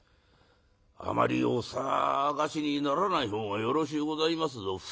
「あまりお捜しにならない方がよろしゅうございますぞ。